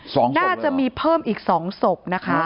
สองศพเหรอนะคะน่าจะมีเพิ่มอีกสองศพ